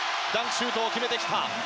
シュートを決めてきた。